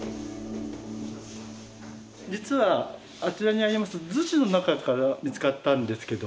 実はあちらにあります厨子の中から見つかったんですけども。